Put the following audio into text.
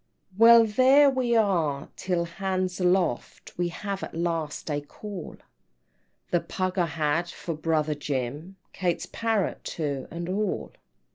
VIII. "Well, there we are till 'hands aloft,' We have at last a call; The pug I had for brother Jim, Kate's parrot too, and all."